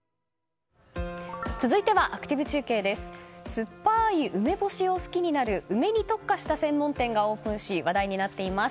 酸っぱい梅干しを好きになる梅に特化した専門店がオープンし話題になっています。